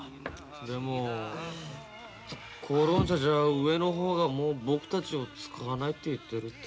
でも講論社じゃ上のほうがもう僕たちを使わないって言ってるって。